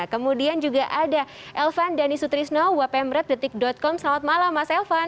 kemudian juga ada elvan danisu trisno wapemret com selamat malam mas elvan